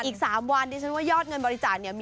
อีก๓วันดิฉันว่ายอดเงินบริจาคล่าสุดตอนนี้